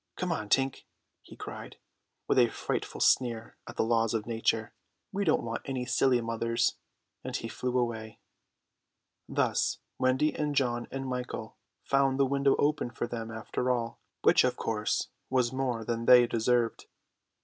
"Come on, Tink," he cried, with a frightful sneer at the laws of nature; "we don't want any silly mothers;" and he flew away. Thus Wendy and John and Michael found the window open for them after all, which of course was more than they deserved.